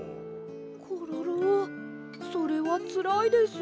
コロロそれはつらいです。